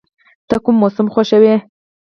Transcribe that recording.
ته کوم موسم خوښوې؟